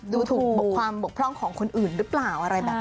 ดูถูกบกพร่องของคนอื่นรึเปล่า